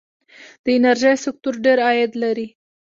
د انرژۍ سکتور ډیر عاید لري.